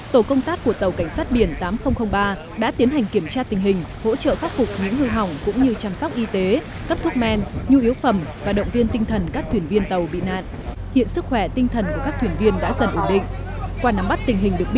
tàu công tác của tàu cảnh sát biển tám nghìn ba đã tiến hành kiểm tra tình hình hỗ trợ phát phục những hư hỏng cũng như chăm sóc